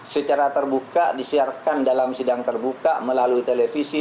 secara terbuka disiarkan dalam sidang terbuka melalui televisi